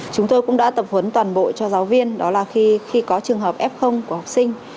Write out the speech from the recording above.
chúng tôi cũng đã tập huấn toàn bộ cho giáo viên đó là khi có trường hợp f của học sinh